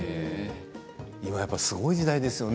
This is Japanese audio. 今、すごい時代ですよね